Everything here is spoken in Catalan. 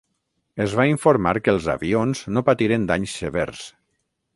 Es va informar que els avions no patiren danys severs.